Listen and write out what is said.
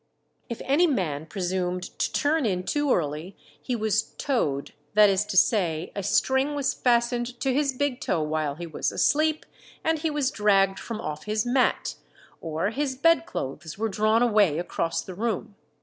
If any man presumed to turn in too early he was "toed," that is to say, a string was fastened to his big toe while he was asleep, and he was dragged from off his mat, or his bedclothes were drawn away across the room.